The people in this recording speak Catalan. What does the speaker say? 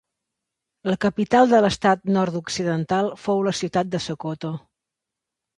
La capital de l'estat Nord-occidental fou la ciutat de Sokoto.